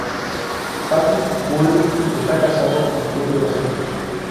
Patrick Baudry está casado y tiene dos hijos.